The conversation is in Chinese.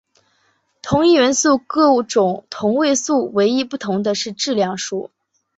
同一元素各种同位素唯一不同的是质量数。